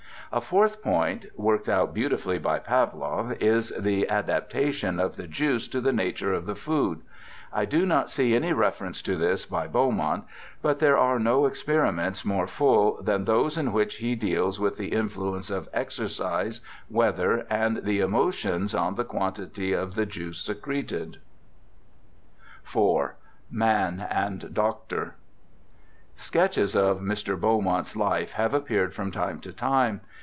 A fourth point, worked out beautifully by Pawlow, is the adaptation of the juice to the nature of the food ; I do not see any reference to this by Beaumont, but there are no experiments more full than those in which he deals with the influence of exercise, weather, and the emotions on the quantity of the juice secreted. 178 BIOGRAPHICAL ESSAYS IV. Man and Doctor Sketches of Dr. Beaumont's life have appeared from time to time.